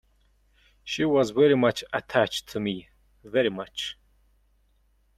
She was very much attached to me — very much.